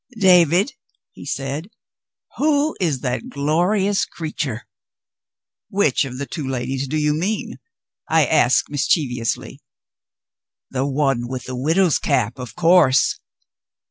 "David!" he said, "who is that glorious creature?" "Which of the two ladies do you mean?" I asked, mischievously. "The one with the widow's cap, of course!"